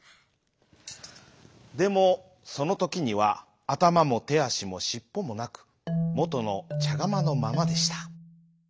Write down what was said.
でもそのときにはあたまもてあしもしっぽもなくもとのちゃがまのままでした。